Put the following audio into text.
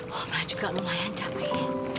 mama juga lumayan capek